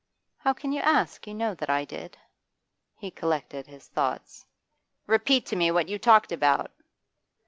'How can you ask? You know that I did.' He collected his thoughts. 'Repeat to me what you talked about.